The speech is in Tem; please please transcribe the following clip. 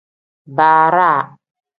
Baaraa.